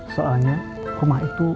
soalnya rumah itu